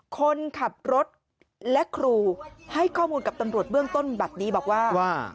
คนขับรถและครูให้ข้อมูลกับตำรวจเบื้องต้นแบบนี้บอกว่า